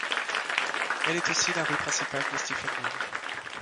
Elle est aussi la rue principale de Stephenville.